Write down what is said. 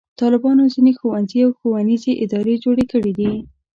طالبانو ځینې ښوونځي او ښوونیزې ادارې جوړې کړې دي.